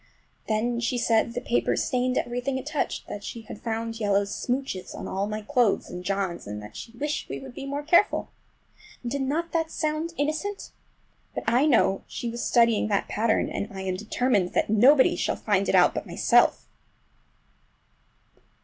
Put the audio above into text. Then she said that the paper stained everything it touched, that she had found yellow smooches on all my clothes and John's, and she wished we would be more careful! Did not that sound innocent? But I know she was studying that pattern, and I am determined that nobody shall find it out but myself!